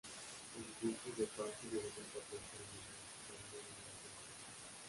En tiempos de paz tuvieron un papel ceremonial sirviendo de Guardia Real.